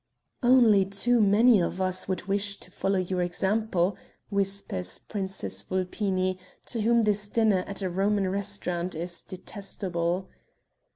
"Only too many of us would wish to follow your example," whispers Princess Vulpini, to whom this dinner at a Roman restaurant is detestable.